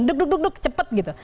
duk duk duk cepet gitu